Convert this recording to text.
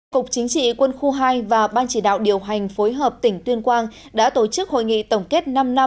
cục chính trị quân khu hai và ban chỉ đạo điều hành phối hợp tỉnh tuyên quang đã tổ chức hội nghị tổng kết năm năm